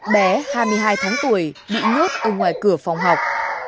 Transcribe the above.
bé hai mươi hai tháng tuổi bị nhốt ở ngoài cửa phòng học